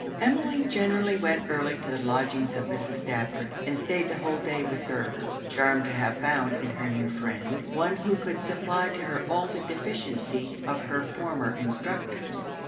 Emmeline generally went early to the lodgings of Mrs. Stafford, and stayed the whole day with her; charmed to have found in her new friend, one who could supply to her all the deficiencies of her former instructors.